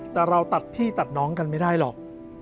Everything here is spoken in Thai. แต่เราตัดพี่ตัดน้องกันไม่ได้หรอก